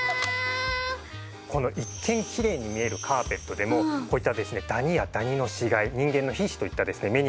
この一見きれいに見えるカーペットでもこういったですねダニやダニの死骸人間の皮脂といったですね